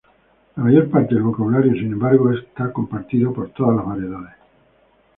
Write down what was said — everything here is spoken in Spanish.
La mayor parte del vocabulario, sin embargo, es compartida por todas las variedades.